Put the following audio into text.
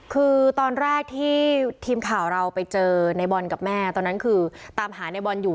คือตอนแรกที่ทีมข่าวเราไปเจอในบอลกับแม่ตอนนั้นคือตามหาในบอลอยู่